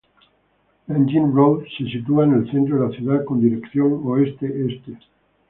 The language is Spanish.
Nanjing Road se sitúa en el centro de la ciudad, con dirección oeste-este.